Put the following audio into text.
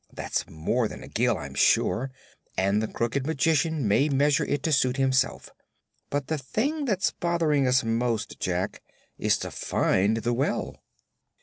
That's more than a gill, I'm sure, and the Crooked Magician may measure it to suit himself. But the thing that's bothering us most, Jack, is to find the well."